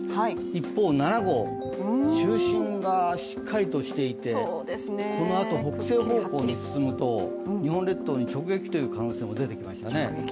一方、７号、中心がしっかりとしていてこのあと北西方向に進むと日本列島に直撃という可能性も出てきましたね。